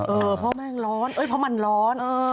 เออเพราะแม่งร้อนเพราะมันร้อน